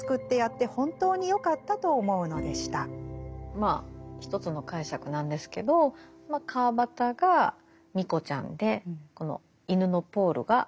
まあ一つの解釈なんですけど川端がミコちゃんでこの犬のポールが北條。